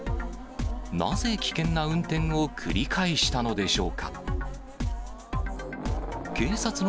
なぜ危険な運転を繰り返したのでしょうか。